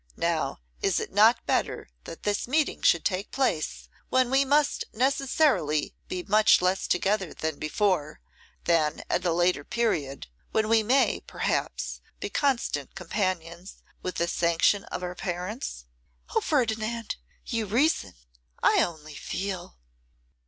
Now, is it not better that this meeting should take place when we must necessarily be much less together than before, than at a later period, when we may, perhaps, be constant companions with the sanction of our parents?' 'O Ferdinand! you reason, I only feel.